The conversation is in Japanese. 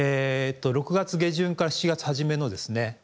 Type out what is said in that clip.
６月下旬から７月初めのですね